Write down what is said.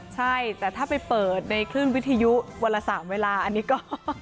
ใช่แต่ถ้าไปเปิดในคลื่นวิทยุวันละ๓เวลาอันนี้ก็